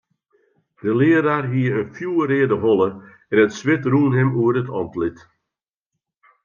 De learaar hie in fjoerreade holle en it swit rûn him oer it antlit.